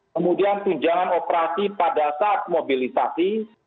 kemudian tunjangan operasi pada saat mobilisasi